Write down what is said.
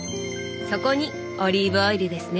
そこにオリーブオイルですね。